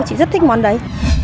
chị rất thích món đấy